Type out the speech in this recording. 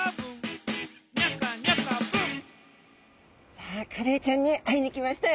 さあカレイちゃんに会いに来ましたよ。